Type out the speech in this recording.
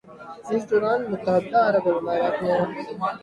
اس دوران متحدہ عرب امارات میں